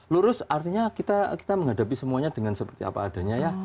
lurus artinya kita menghadapi semuanya dengan seperti apa adanya ya